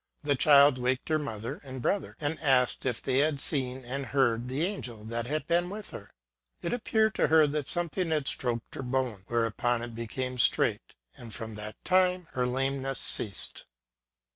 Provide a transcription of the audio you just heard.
The child waked her mother and brother, and asked if they had seen and heard the angel that had been with her ? It appeared to her that some 80 THE SEERESS OF PREVORST. thing had stroked her bone, whereon it became straight ; and, from that time, her lameness ceased.